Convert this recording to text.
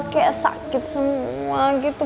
kayak sakit semua gitu